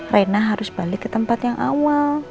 raina harus balik ke tempat yang awal